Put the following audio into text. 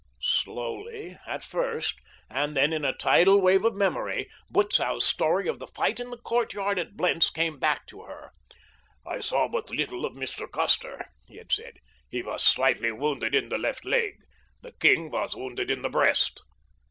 Slowly at first, and then in a sudden tidal wave of memory, Butzow's story of the fight in the courtyard at Blentz came back to her. "I saw but little of Mr. Custer," he had said. "He was slightly wounded in the left leg. The king was wounded in the breast."